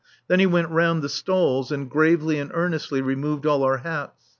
Then he went round the stalls and gravely and earnestly removed all our hats.